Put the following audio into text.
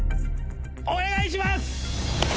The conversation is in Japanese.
お願いします！